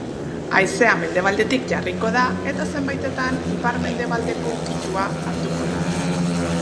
Haizea mendebaldetik jarriko da, eta zenbaitetan ipar-mendebaldeko ukitua hartuko du.